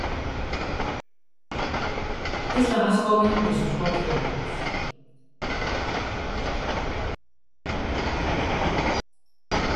Es la más joven de sus cuatro hermanos.